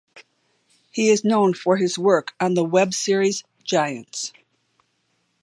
He is known for his work on the web series "Giants".